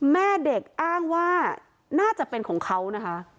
แม่เด็กอ้างว่าน่าจะเป็นของเขานะคะ